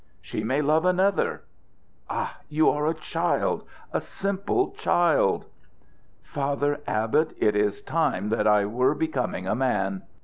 She may love another. Ah! you are a child a simple child!" "Father Abbot, it is time that I were becoming a man."